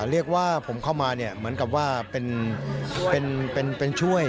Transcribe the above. เรียกว่าผมเข้ามาเหมือนกับว่าเป็นช่วย